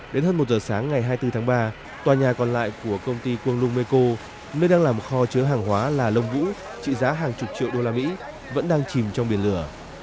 đến hơn một giờ sáng ngày hai mươi bốn tháng ba tòa nhà còn lại của công ty quang lung meco nơi đang làm kho chứa hàng hóa là lông vũ trị giá hàng chục triệu usd vẫn đang chìm trong biển lửa